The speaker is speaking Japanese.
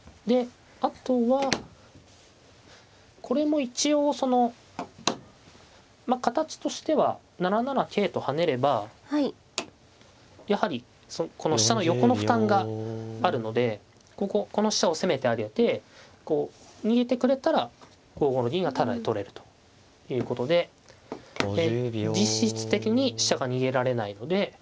であとはこれも一応そのまあ形としては７七桂と跳ねればやはりこの飛車の横の負担があるのでこここの飛車を攻めてあげてこう逃げてくれたら５五の銀がタダで取れるということで実質的に飛車が逃げられないので。